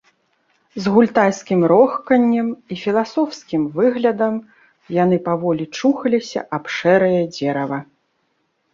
З гультайскім рохканнем і філасофскім выглядам яны паволі чухаліся аб шэрае дзерава.